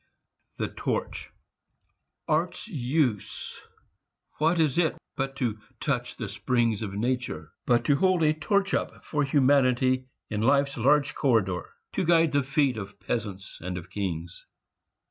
THE TORCH Art's use what is it but to touch the springs Of nature? But to hold a torch up for Humanity in Life's large corridor, To guide the feet of peasants and of kings!